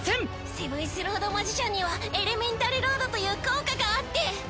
セブンスロード・マジシャンにはエレメンタルロードという効果があって。